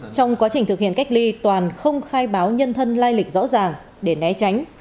trong quá trình thực hiện cách ly toàn không khai báo nhân thân lai lịch rõ ràng để né tránh